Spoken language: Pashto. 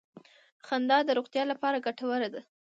• خندا د روغتیا لپاره ګټوره ده.